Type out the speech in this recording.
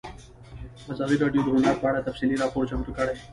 ازادي راډیو د هنر په اړه تفصیلي راپور چمتو کړی.